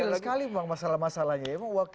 itu rile sekali bang masalah masalahnya